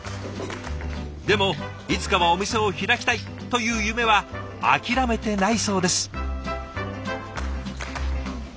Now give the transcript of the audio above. でもいつかはお店を開きたいという夢は諦めてないそうです。